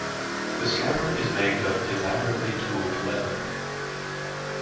The scabbard is made of elaborately tooled leather.